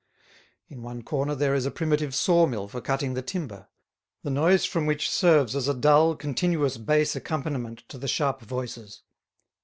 In one corner there is a primitive saw mill for cutting the timber, the noise from which serves as a dull, continuous bass accompaniment to the sharp voices.